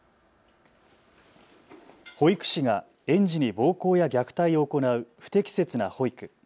保育士が園児に暴行や虐待を行う不適切な保育。